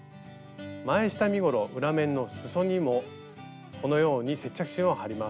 前下身ごろ裏面のすそにもこのように接着芯を貼ります。